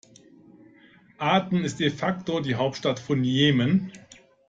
Aden ist de facto die Hauptstadt von Jemen.